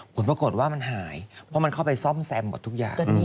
ผลปรากฏว่ามันหายเพราะมันเข้าไปซ่อมแซมหมดทุกอย่าง